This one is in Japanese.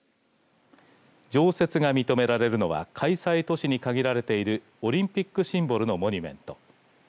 常設が認められるのは開催都市に限られているオリンピックシンボルのモニュメント。